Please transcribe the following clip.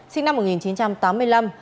sinh năm một nghìn chín trăm tám mươi năm